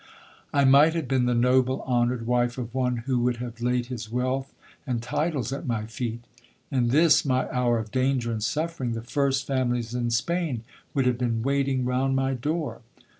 I might have been the noble, honoured wife of one who would have laid his wealth and titles at my feet. In this my hour of danger and suffering, the first families in Spain would have been waiting round my door.